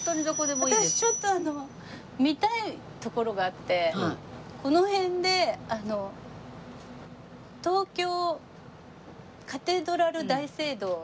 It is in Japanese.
私ちょっと見たい所があってこの辺で東京カテドラル大聖堂みたいな。